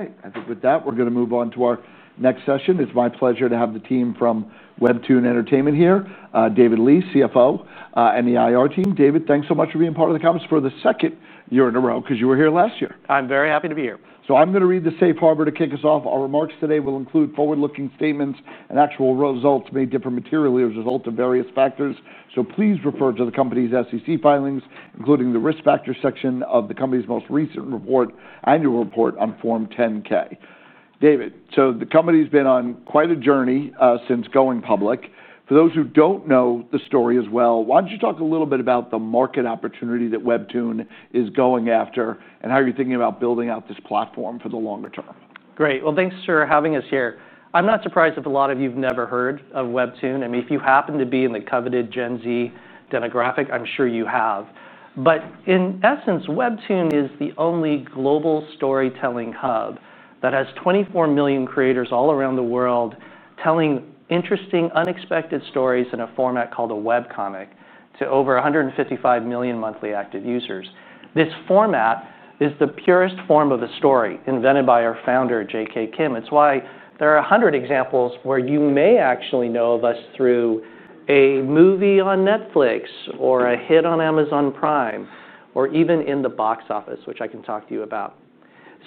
All right. With that, we're going to move on to our next session. It's my pleasure to have the team from WEBTOON Entertainment here, David Lee, CFO, and the IR team. David, thanks so much for being part of the conference for the second year in a row because you were here last year. I'm very happy to be here. I'm going to read the safe harbor to kick us off. Our remarks today will include forward-looking statements and actual results may differ materially as a result of various factors. Please refer to the company's SEC filings, including the risk factor section of the company's most recent annual report on Form 10-K. David, the company's been on quite a journey since going public. For those who don't know the story as well, why don't you talk a little bit about the market opportunity that WEBTOON Entertainment is going after and how you're thinking about building out this platform for the longer term? Great. Thanks for having us here. I'm not surprised if a lot of you've never heard of WEBTOON. I mean, if you happen to be in the coveted Gen Z demographic, I'm sure you have. In essence, WEBTOON is the only global storytelling hub that has 24 million creators all around the world telling interesting, unexpected stories in a format called a web comic to over 155 million monthly active users. This format is the purest form of a story invented by our founder, Junkoo Kim. It's why there are 100 examples where you may actually know of us through a movie on Netflix or a hit on Amazon Prime or even in the box office, which I can talk to you about.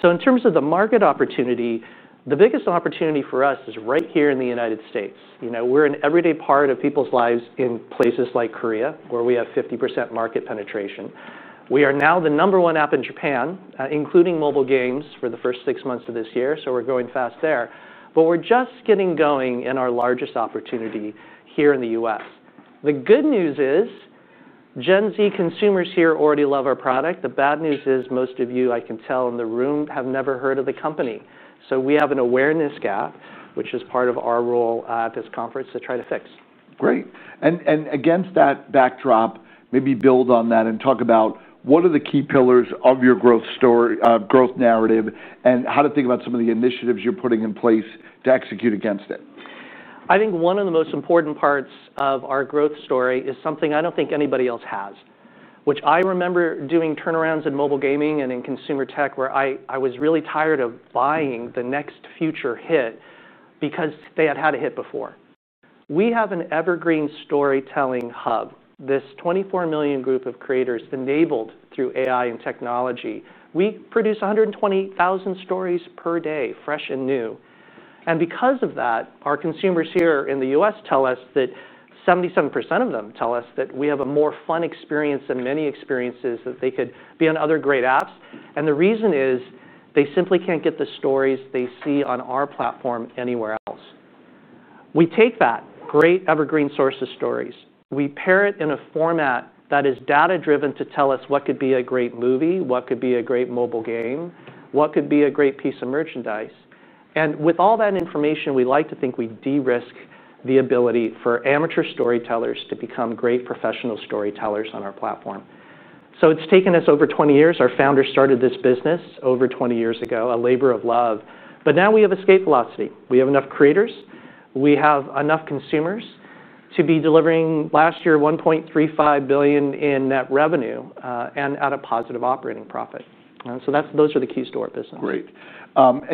In terms of the market opportunity, the biggest opportunity for us is right here in the United States. We're an everyday part of people's lives in places like Korea, where we have 50% market penetration. We are now the number one app in Japan, including mobile games, for the first six months of this year. We're going fast there. We're just getting going in our largest opportunity here in the U.S. The good news is Gen Z consumers here already love our product. The bad news is most of you, I can tell, in the room have never heard of the company. We have an awareness gap, which is part of our role at this conference to try to fix. Great. Against that backdrop, maybe build on that and talk about what are the key pillars of your growth narrative and how to think about some of the initiatives you're putting in place to execute against it. I think one of the most important parts of our growth story is something I don't think anybody else has, which I remember doing turnarounds in mobile gaming and in consumer tech where I was really tired of buying the next future hit because they had had a hit before. We have an evergreen storytelling hub, this 24 million group of creators enabled through AI and technology. We produce 120,000 stories per day, fresh and new. Because of that, our consumers here in the U.S. tell us that 77% of them tell us that we have a more fun experience than many experiences that they could be on other great apps. The reason is they simply can't get the stories they see on our platform anywhere else. We take that great evergreen source of stories. We pair it in a format that is data-driven to tell us what could be a great movie, what could be a great mobile game, what could be a great piece of merchandise. With all that information, we like to think we de-risk the ability for amateur storytellers to become great professional storytellers on our platform. It's taken us over 20 years. Our founders started this business over 20 years ago, a labor of love. Now we have escape velocity. We have enough creators. We have enough consumers to be delivering last year $1.35 billion in net revenue and at a positive operating profit. Those are the keys to our business. Great.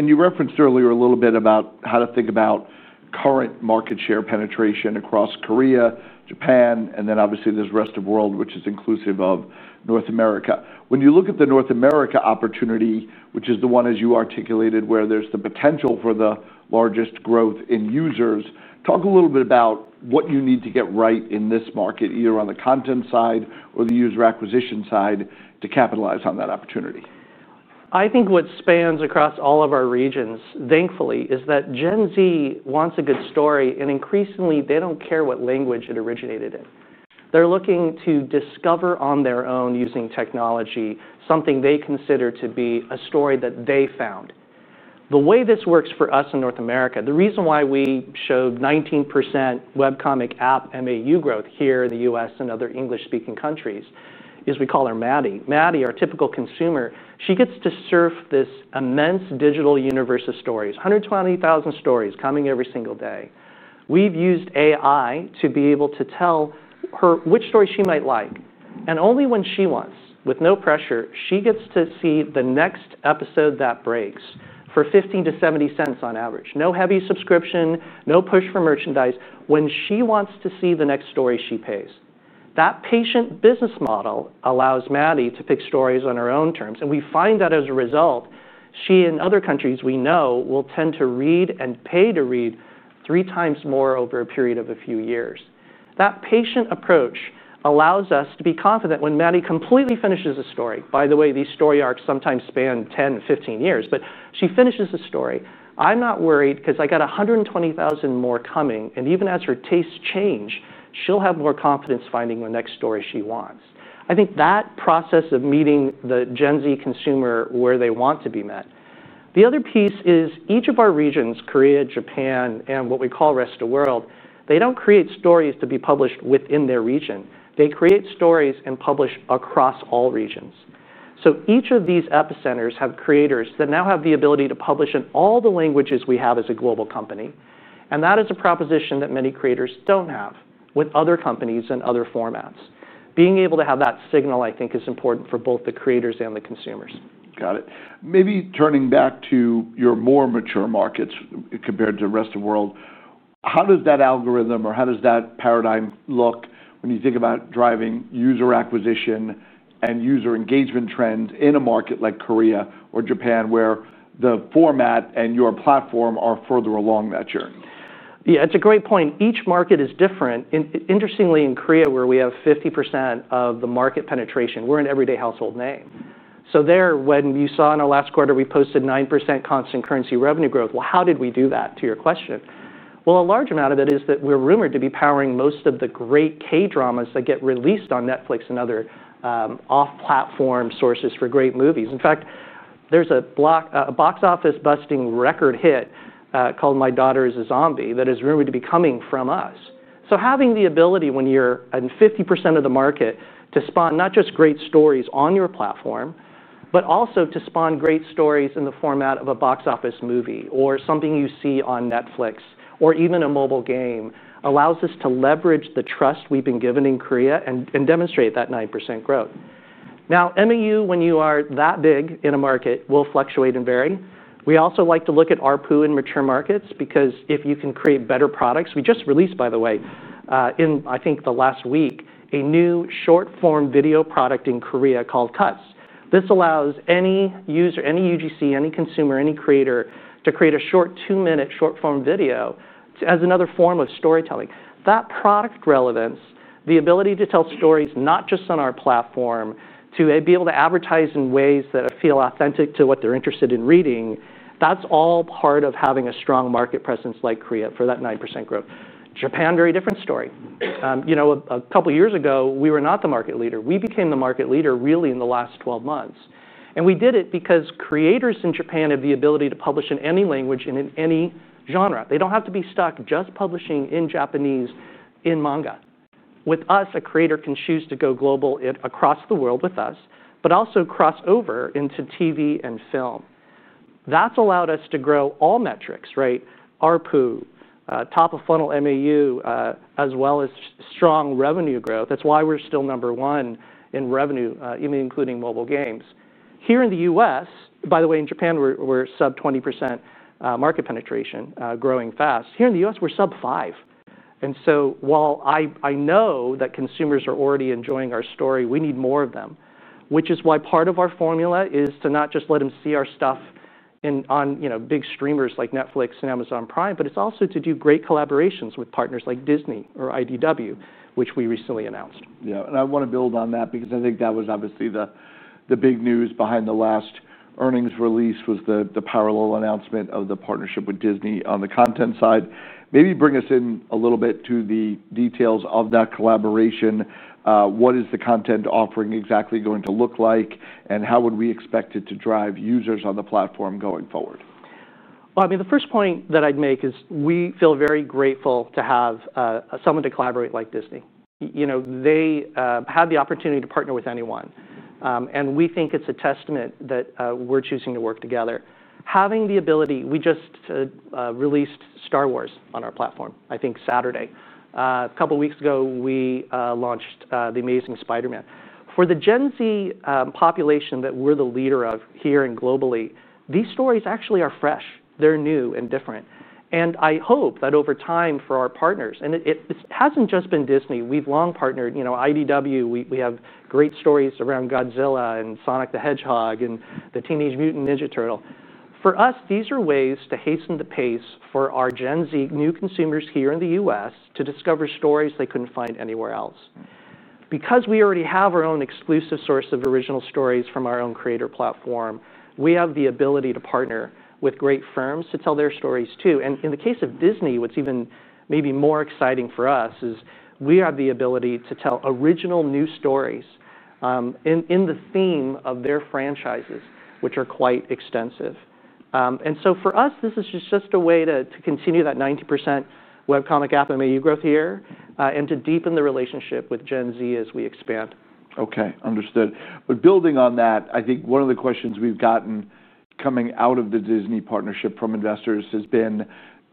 You referenced earlier a little bit about how to think about current market share penetration across Korea, Japan, and then obviously this rest of the world, which is inclusive of North America. When you look at the North America opportunity, which is the one, as you articulated, where there's the potential for the largest growth in users, talk a little bit about what you need to get right in this market, either on the content side or the user acquisition side, to capitalize on that opportunity. I think what spans across all of our regions, thankfully, is that Gen Z wants a good story. Increasingly, they don't care what language it originated in. They're looking to discover on their own using technology something they consider to be a story that they found. The way this works for us in North America, the reason why we showed 19% web comic app MAU growth here in the U.S. and other English-speaking countries is we call her Maddie. Maddie, our typical consumer, gets to surf this immense digital universe of stories, 120,000 stories coming every single day. We've used AI to be able to tell her which story she might like. Only when she wants, with no pressure, she gets to see the next episode that breaks for $0.15 to $0.70 on average. No heavy subscription, no push for merchandise. When she wants to see the next story, she pays. That patient business model allows Maddie to pick stories on her own terms. We find that as a result, she and other countries we know will tend to read and pay to read three times more over a period of a few years. That patient approach allows us to be confident when Maddie completely finishes a story. By the way, these story arcs sometimes span 10 to 15 years. She finishes a story. I'm not worried because I got 120,000 more coming. Even as her tastes change, she'll have more confidence finding the next story she wants. I think that process of meeting the Gen Z consumer where they want to be met is important. The other piece is each of our regions, Korea, Japan, and what we call the rest of the world, don't create stories to be published within their region. They create stories and publish across all regions. Each of these epicenters have creators that now have the ability to publish in all the languages we have as a global company. That is a proposition that many creators don't have with other companies and other formats. Being able to have that signal, I think, is important for both the creators and the consumers. Got it. Maybe turning back to your more mature markets compared to the rest of the world, how does that algorithm or how does that paradigm look when you think about driving user acquisition and user engagement trends in a market like Korea or Japan, where the format and your platform are further along that journey? Yeah, it's a great point. Each market is different. Interestingly, in Korea, where we have 50% of the market penetration, we're an everyday household name. There, when you saw in our last quarter, we posted 9% constant currency revenue growth. How did we do that, to your question? A large amount of it is that we're rumored to be powering most of the great K-dramas that get released on Netflix and other off-platform sources for great movies. In fact, there's a box office busting record hit called "My Daughter is a Zombie" that is rumored to be coming from us. Having the ability, when you're in 50% of the market, to spawn not just great stories on your platform, but also to spawn great stories in the format of a box office movie or something you see on Netflix or even a mobile game allows us to leverage the trust we've been given in Korea and demonstrate that 9% growth. Now, MAU, when you are that big in a market, will fluctuate in bearing. We also like to look at ARPU in mature markets because if you can create better products, we just released, by the way, in I think the last week, a new short-form video product in Korea called "Cuts." This allows any user, any UGC, any consumer, any creator to create a short two-minute short-form video as another form of storytelling. That product relevance, the ability to tell stories not just on our platform, to be able to advertise in ways that feel authentic to what they're interested in reading, that's all part of having a strong market presence like Korea for that 9% growth. Japan, very different story. A couple of years ago, we were not the market leader. We became the market leader really in the last 12 months. We did it because creators in Japan have the ability to publish in any language and in any genre. They don't have to be stuck just publishing in Japanese in manga. With us, a creator can choose to go global across the world with us, but also cross over into TV and film. That's allowed us to grow all metrics, right? ARPU, top of funnel MAU, as well as strong revenue growth. That's why we're still number one in revenue, even including mobile games. Here in the U.S., by the way, in Japan, we're sub 20% market penetration growing fast. Here in the U.S., we're sub 5%. While I know that consumers are already enjoying our story, we need more of them, which is why part of our formula is to not just let them see our stuff on big streamers like Netflix and Amazon Prime, but it's also to do great collaborations with partners like Disney or IDW, which we recently announced. Yeah. I want to build on that because I think that was obviously the big news behind the last earnings release, the parallel announcement of the partnership with Disney on the content side. Maybe bring us in a little bit to the details of that collaboration. What is the content offering exactly going to look like? How would we expect it to drive users on the platform going forward? The first point that I'd make is we feel very grateful to have someone to collaborate like Disney. You know, they have the opportunity to partner with anyone. We think it's a testament that we're choosing to work together. Having the ability, we just released "Star Wars" on our platform, I think, Saturday. A couple of weeks ago, we launched "The Amazing Spider-Man." For the Gen Z population that we're the leader of here and globally, these stories actually are fresh. They're new and different. I hope that over time for our partners, and it hasn't just been Disney, we've long partnered, you know, IDW. We have great stories around Godzilla and Sonic the Hedgehog and the Teenage Mutant Ninja Turtle. For us, these are ways to hasten the pace for our Gen Z new consumers here in the U.S. to discover stories they couldn't find anywhere else. Because we already have our own exclusive source of original stories from our own creator platform, we have the ability to partner with great firms to tell their stories too. In the case of Disney, what's even maybe more exciting for us is we have the ability to tell original new stories in the theme of their franchises, which are quite extensive. For us, this is just a way to continue that 90% web comic app MAU growth here and to deepen the relationship with Gen Z as we expand. OK, understood. Building on that, I think one of the questions we've gotten coming out of the Disney partnership from investors has been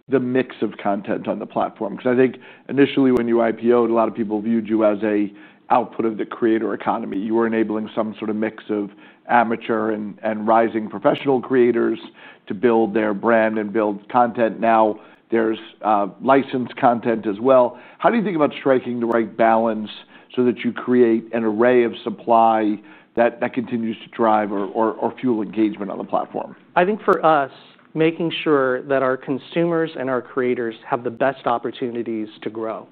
the mix of content on the platform. I think initially, when you IPOed, a lot of people viewed you as an output of the creator economy. You were enabling some sort of mix of amateur and rising professional creators to build their brand and build content. Now there's licensed content as well. How do you think about striking the right balance so that you create an array of supply that continues to drive or fuel engagement on the platform? I think for us, making sure that our consumers and our creators have the best opportunities to grow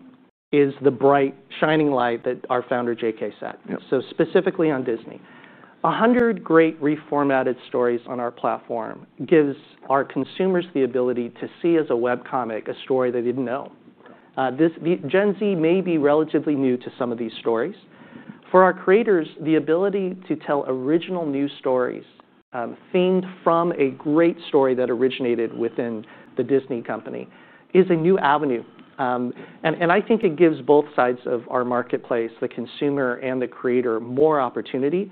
is the bright shining light that our founder, JK, set. Specifically on Disney, 100 great reformatted stories on our platform give our consumers the ability to see as a web comic a story they didn't know. Gen Z may be relatively new to some of these stories. For our creators, the ability to tell original new stories themed from a great story that originated within the Disney company is a new avenue. I think it gives both sides of our marketplace, the consumer and the creator, more opportunity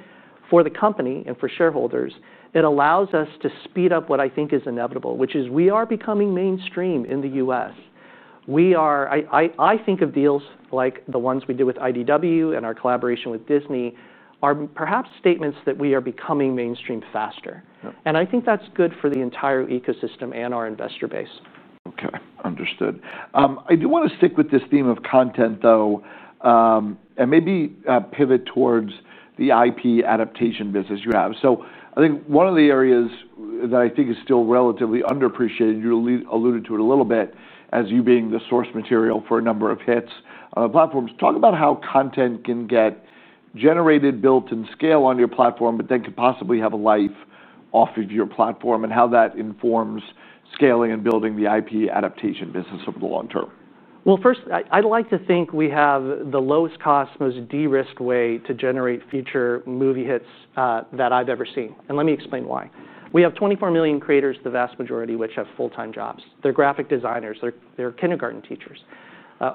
for the company and for shareholders. It allows us to speed up what I think is inevitable, which is we are becoming mainstream in the U.S. I think of deals like the ones we do with IDW and our collaboration with Disney are perhaps statements that we are becoming mainstream faster. I think that's good for the entire ecosystem and our investor base. OK, understood. I do want to stick with this theme of content, though, and maybe pivot towards the IP adaptation business you have. I think one of the areas that I think is still relatively underappreciated, you alluded to it a little bit, as you being the source material for a number of hits on the platforms. Talk about how content can get generated, built, and scaled on your platform, but then could possibly have a life off of your platform and how that informs scaling and building the IP adaptation business over the long term. I’d like to think we have the lowest cost, most de-risked way to generate future movie hits that I’ve ever seen. Let me explain why. We have 24 million creators, the vast majority of which have full-time jobs. They’re graphic designers. They’re kindergarten teachers.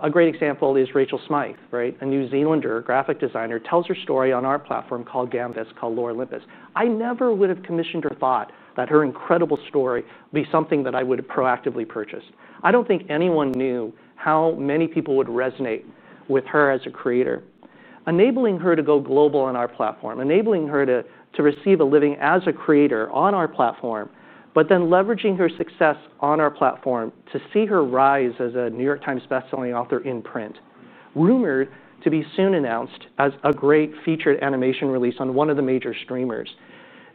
A great example is Rachel Smythe, a New Zealander graphic designer, tells her story on our platform called Lore Olympus. I never would have commissioned or thought that her incredible story would be something that I would have proactively purchased. I don’t think anyone knew how many people would resonate with her as a creator. Enabling her to go global on our platform, enabling her to receive a living as a creator on our platform, but then leveraging her success on our platform to see her rise as a New York Times bestselling author in print, rumored to be soon announced as a great featured animation release on one of the major streamers.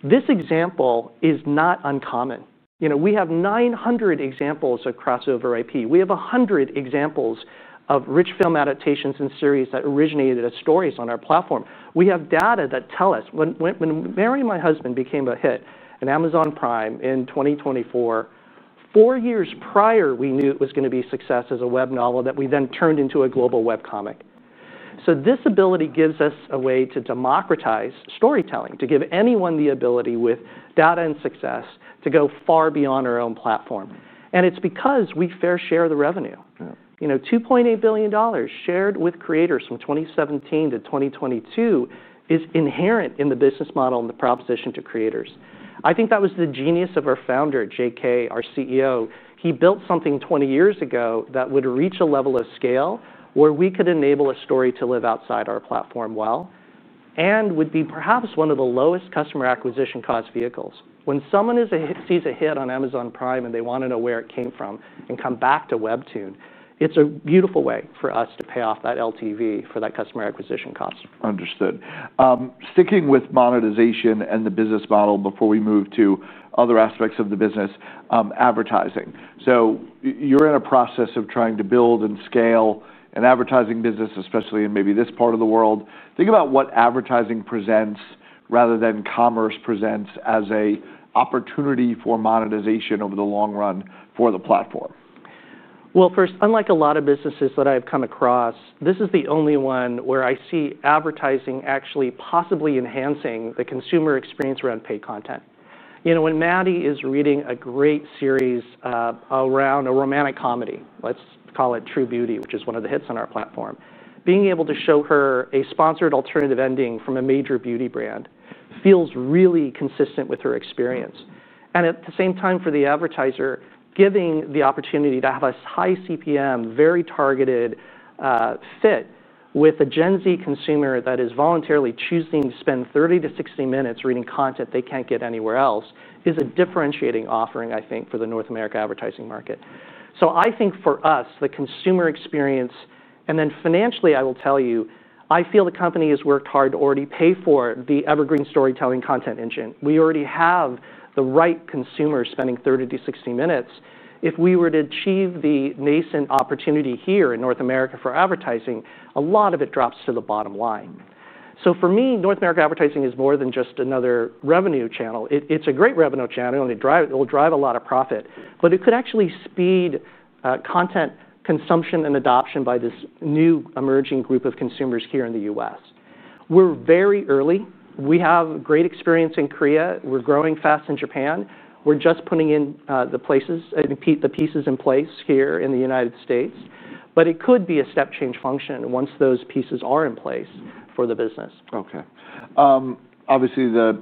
This example is not uncommon. We have 900 examples of crossover IP. We have 100 examples of rich film adaptations and series that originated as stories on our platform. We have data that tell us when "Marry My Husband" became a hit on Amazon Prime in 2024, four years prior, we knew it was going to be a success as a web novel that we then turned into a global web comic. This ability gives us a way to democratize storytelling, to give anyone the ability with data and success to go far beyond our own platform. It’s because we fair share the revenue. $2.8 billion shared with creators from 2017 to 2022 is inherent in the business model and the proposition to creators. I think that was the genius of our founder, JK, our CEO. He built something 20 years ago that would reach a level of scale where we could enable a story to live outside our platform well and would be perhaps one of the lowest customer acquisition cost vehicles. When someone sees a hit on Amazon Prime and they want to know where it came from and come back to WEBTOON, it’s a beautiful way for us to pay off that LTV for that customer acquisition cost. Understood. Sticking with monetization and the business model before we move to other aspects of the business, advertising. You're in a process of trying to build and scale an advertising business, especially in maybe this part of the world. Think about what advertising presents rather than commerce presents as an opportunity for monetization over the long run for the platform. Unlike a lot of businesses that I've come across, this is the only one where I see advertising actually possibly enhancing the consumer experience around paid content. You know, when Maddie is reading a great series around a romantic comedy, let's call it "True Beauty," which is one of the hits on our platform, being able to show her a sponsored alternative ending from a major beauty brand feels really consistent with her experience. At the same time, for the advertiser, giving the opportunity to have a high CPM, very targeted fit with a Gen Z consumer that is voluntarily choosing to spend 30 to 60 minutes reading content they can't get anywhere else is a differentiating offering, I think, for the North America advertising market. I think for us, the consumer experience, and then financially, I will tell you, I feel the company has worked hard to already pay for the evergreen storytelling content engine. We already have the right consumer spending 30 to 60 minutes. If we were to achieve the nascent opportunity here in North America for advertising, a lot of it drops to the bottom line. For me, North America advertising is more than just another revenue channel. It's a great revenue channel. It will drive a lot of profit. It could actually speed content consumption and adoption by this new emerging group of consumers here in the U.S. We're very early. We have great experience in Korea. We're growing fast in Japan. We're just putting the pieces in place here in the United States. It could be a step change function once those pieces are in place for the business. OK. Obviously, the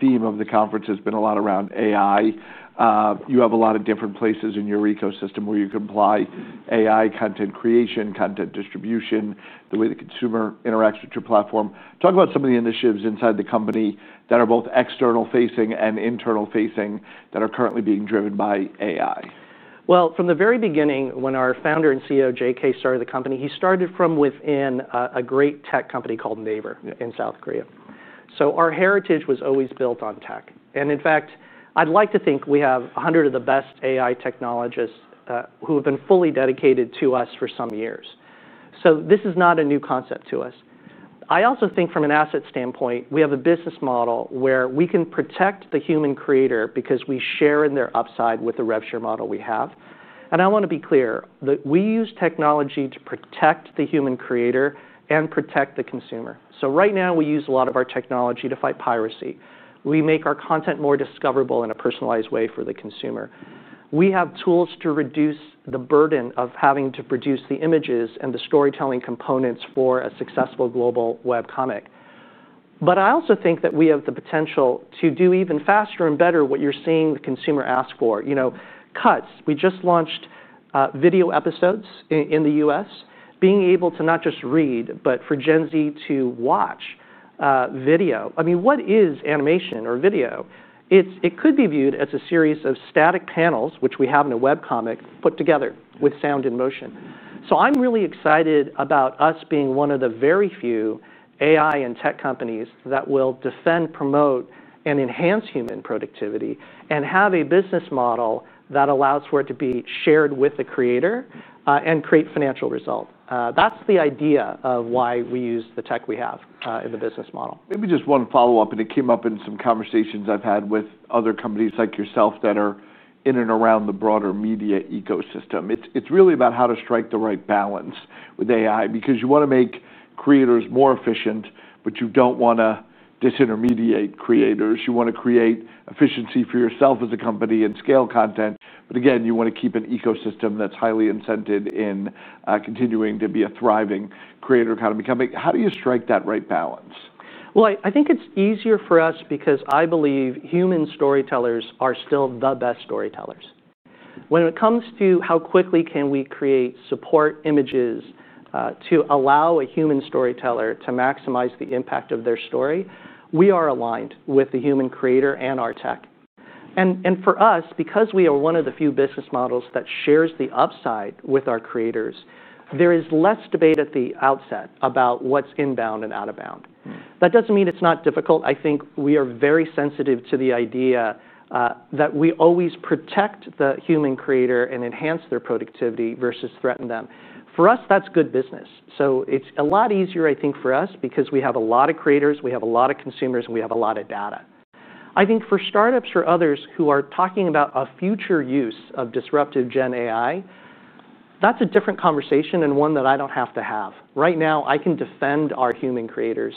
theme of the conference has been a lot around AI. You have a lot of different places in your ecosystem where you can apply AI content creation, content distribution, the way the consumer interacts with your platform. Talk about some of the initiatives inside the company that are both external-facing and internal-facing that are currently being driven by AI. From the very beginning, when our founder and CEO, Junkoo Kim, started the company, he started from within a great tech company called Naver in South Korea. Our heritage was always built on tech. In fact, I'd like to think we have 100 of the best AI technologists who have been fully dedicated to us for some years. This is not a new concept to us. I also think from an asset standpoint, we have a business model where we can protect the human creator because we share in their upside with the revenue share model we have. I want to be clear that we use technology to protect the human creator and protect the consumer. Right now, we use a lot of our technology to fight piracy. We make our content more discoverable in a personalized way for the consumer. We have tools to reduce the burden of having to produce the images and the storytelling components for a successful global web comic. I also think that we have the potential to do even faster and better what you're seeing the consumer ask for. You know, "Cuts," we just launched video episodes in the U.S., being able to not just read, but for Gen Z to watch video. I mean, what is animation or video? It could be viewed as a series of static panels, which we have in a web comic, put together with sound in motion. I'm really excited about us being one of the very few AI and tech companies that will defend, promote, and enhance human productivity and have a business model that allows for it to be shared with the creator and create financial result. That's the idea of why we use the tech we have in the business model. Maybe just one follow-up. It came up in some conversations I've had with other companies like yourself that are in and around the broader media ecosystem. It's really about how to strike the right balance with AI because you want to make creators more efficient, but you don't want to disintermediate creators. You want to create efficiency for yourself as a company and scale content. You want to keep an ecosystem that's highly incented in continuing to be a thriving creator economy company. How do you strike that right balance? I think it's easier for us because I believe human storytellers are still the best storytellers. When it comes to how quickly we can create support images to allow a human storyteller to maximize the impact of their story, we are aligned with the human creator and our tech. For us, because we are one of the few business models that shares the upside with our creators, there is less debate at the outset about what's inbound and out of bound. That doesn't mean it's not difficult. I think we are very sensitive to the idea that we always protect the human creator and enhance their productivity versus threaten them. For us, that's good business. It's a lot easier, I think, for us because we have a lot of creators, we have a lot of consumers, and we have a lot of data. I think for startups or others who are talking about a future use of disruptive Gen AI, that's a different conversation and one that I don't have to have. Right now, I can defend our human creators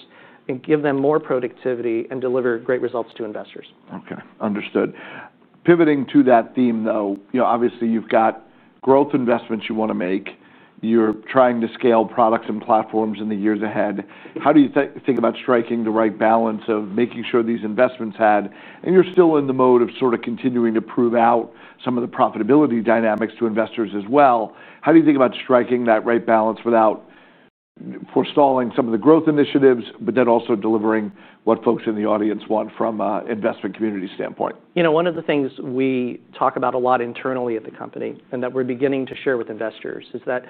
and give them more productivity and deliver great results to investors. OK, understood. Pivoting to that theme, obviously, you've got growth investments you want to make. You're trying to scale products and platforms in the years ahead. How do you think about striking the right balance of making sure these investments hit, and you're still in the mode of continuing to prove out some of the profitability dynamics to investors as well? How do you think about striking that right balance without forestalling some of the growth initiatives, but then also delivering what folks in the audience want from an investment community standpoint? One of the things we talk about a lot internally at the company and that we're beginning to share with investors is that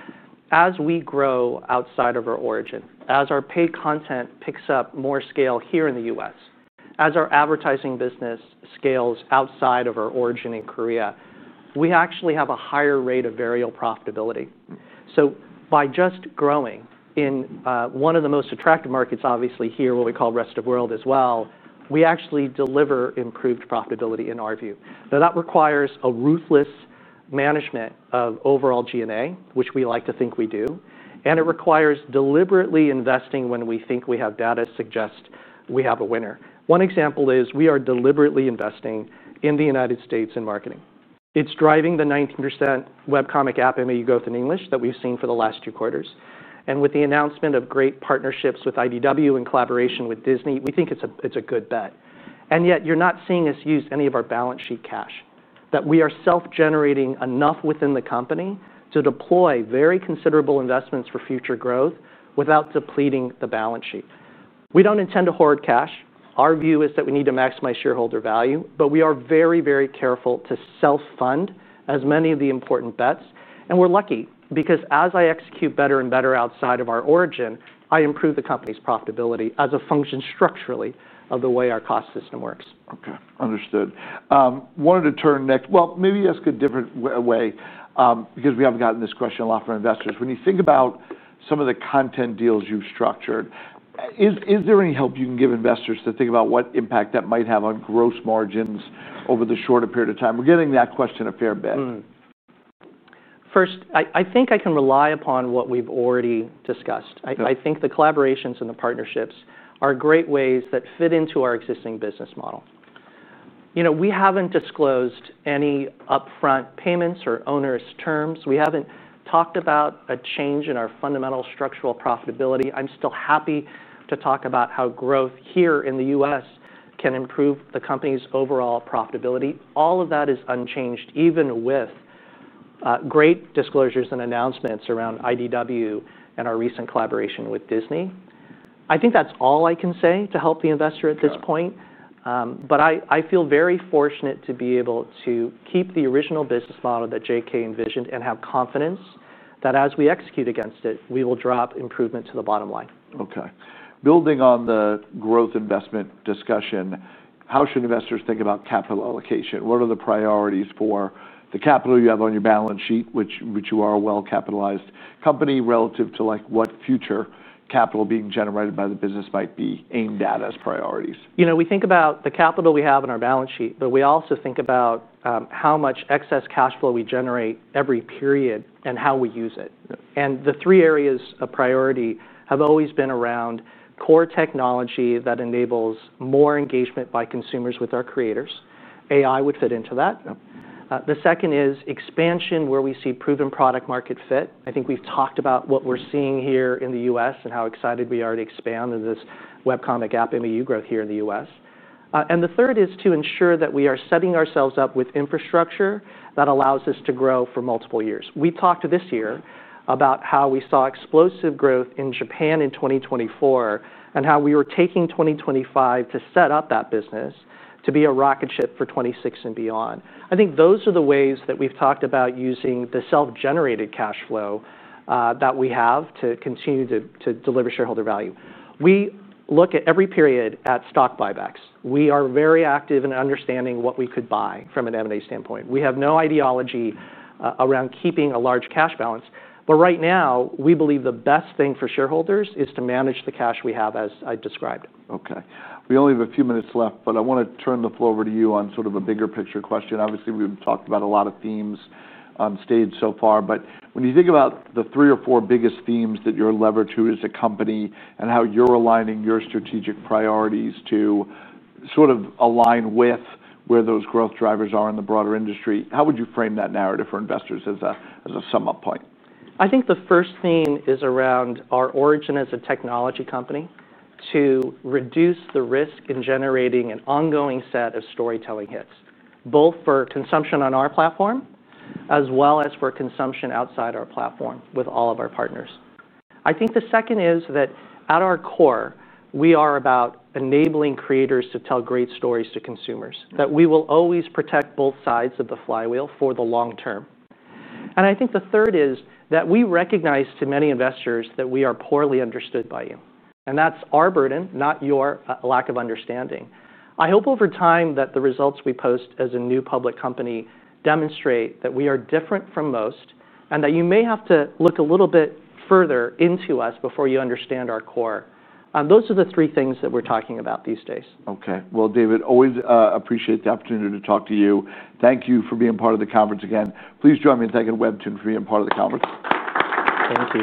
as we grow outside of our origin, as our paid content picks up more scale here in the U.S., as our advertising business scales outside of our origin in Korea, we actually have a higher rate of variable profitability. By just growing in one of the most attractive markets, obviously here, what we call the rest of the world as well, we actually deliver improved profitability in our view. That requires a ruthless management of overall G&A, which we like to think we do. It requires deliberately investing when we think we have data suggest we have a winner. One example is we are deliberately investing in the United States in marketing. It's driving the 19% web comic app MAU growth in English that we've seen for the last two quarters. With the announcement of great partnerships with IDW and collaboration with Disney, we think it's a good bet. Yet, you're not seeing us use any of our balance sheet cash, that we are self-generating enough within the company to deploy very considerable investments for future growth without depleting the balance sheet. We don't intend to hoard cash. Our view is that we need to maximize shareholder value. We are very, very careful to self-fund as many of the important bets. We're lucky because as I execute better and better outside of our origin, I improve the company's profitability as a function structurally of the way our cost system works. OK, understood. I wanted to turn next. Maybe ask a different way because we haven't gotten this question a lot from investors. When you think about some of the content deals you've structured, is there any help you can give investors to think about what impact that might have on gross margins over the shorter period of time? We're getting that question a fair bit. First, I think I can rely upon what we've already discussed. I think the collaborations and the partnerships are great ways that fit into our existing business model. We haven't disclosed any upfront payments or onerous terms. We haven't talked about a change in our fundamental structural profitability. I'm still happy to talk about how growth here in the U.S. can improve the company's overall profitability. All of that is unchanged, even with great disclosures and announcements around IDW and our recent collaboration with Disney. I think that's all I can say to help the investor at this point. I feel very fortunate to be able to keep the original business model that JK envisioned and have confidence that as we execute against it, we will drop improvement to the bottom line. OK. Building on the growth investment discussion, how should investors think about capital allocation? What are the priorities for the capital you have on your balance sheet, which you are a well-capitalized company relative to what future capital being generated by the business might be aimed at as priorities? You know, we think about the capital we have in our balance sheet, but we also think about how much excess cash flow we generate every period and how we use it. The three areas of priority have always been around core technology that enables more engagement by consumers with our creators. AI would fit into that. The second is expansion where we see proven product-market fit. I think we've talked about what we're seeing here in the U.S. and how excited we are to expand this web comic app MAU growth here in the U.S. The third is to ensure that we are setting ourselves up with infrastructure that allows us to grow for multiple years. We talked this year about how we saw explosive growth in Japan in 2024 and how we were taking 2025 to set up that business to be a rocket ship for 2026 and beyond. I think those are the ways that we've talked about using the self-generated cash flow that we have to continue to deliver shareholder value. We look at every period at stock buybacks. We are very active in understanding what we could buy from an M&A standpoint. We have no ideology around keeping a large cash balance. Right now, we believe the best thing for shareholders is to manage the cash we have, as I described. OK. We only have a few minutes left. I want to turn the floor over to you on sort of a bigger picture question. Obviously, we've talked about a lot of themes on stage so far. When you think about the three or four biggest themes that you're leveraging as a company and how you're aligning your strategic priorities to sort of align with where those growth drivers are in the broader industry, how would you frame that narrative for investors as a sum-up point? I think the first theme is around our origin as a technology company to reduce the risk in generating an ongoing set of storytelling hits, both for consumption on our platform as well as for consumption outside our platform with all of our partners. I think the second is that at our core, we are about enabling creators to tell great stories to consumers, that we will always protect both sides of the flywheel for the long term. I think the third is that we recognize to many investors that we are poorly understood by you. That's our burden, not your lack of understanding. I hope over time that the results we post as a new public company demonstrate that we are different from most and that you may have to look a little bit further into us before you understand our core. Those are the three things that we're talking about these days. OK. David, always appreciate the opportunity to talk to you. Thank you for being part of the conference again. Please join me in thanking WEBTOON Entertainment for being part of the conference. Thank you.